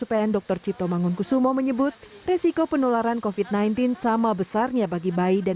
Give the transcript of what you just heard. pn dr cipto mangunkusumo menyebut resiko penularan kofit sembilan belas sama besarnya bagi bayi dan